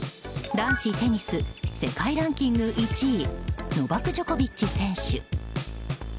男子テニス世界ランキング１位ノバク・ジョコビッチ選手。